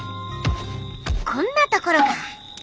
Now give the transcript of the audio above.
こんなところか。